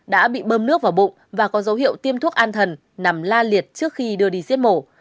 đã bị bơm nước vào bụng và có dấu hiệu tiêm thuốc an thần nằm la liệt trước khi đưa đi giết mổ